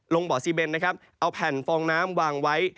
ลงบ่อซีเมนเอาแผ่นฟองน้ำวางไว้